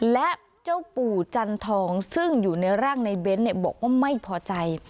และเจ้าปู่จันทองซึ่งอยู่ในร่างในเบ้นบอกว่าไม่พอใจ